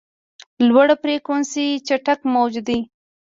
لوړ فریکونسي چټک موج دی.